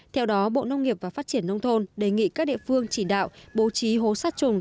theo đó bộ nông nghiệp và phát triển nông thôn đề nghị các địa phương chỉ đạo bố trí hố sát trùng